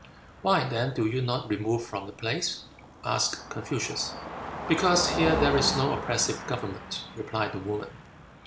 "Why, then, do you not remove from the place?" asked Confucius. "Because here there is no oppressive government," replied the woman.